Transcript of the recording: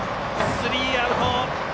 スリーアウト。